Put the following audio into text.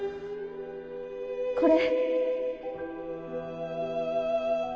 これ。